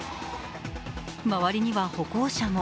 周りには歩行者も。